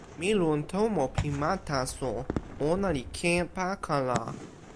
mi lon tomo pi ma taso. ona li ken pakala.